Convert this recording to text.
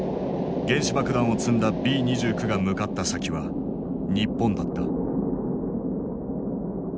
原子爆弾を積んだＢ２９が向かった先は日本だった。